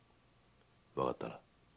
わかったな。